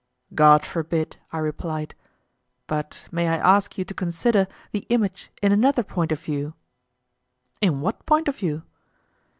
God forbid, I replied; but may I ask you to consider the image in another point of view? In what point of view?